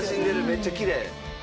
めっちゃきれい。